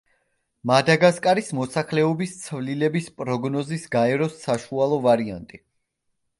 მადაგასკარის მოსახლეობის ცვლილების პროგნოზის გაეროს საშუალო ვარიანტი.